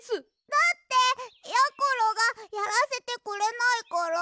だってやころがやらせてくれないから。